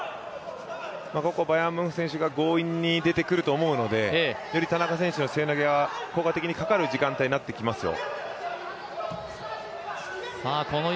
ここ、バヤンムンフ選手が強引に出てくると思うので、より田中選手の背負い投げは効果的にかかる時間帯になりますよ。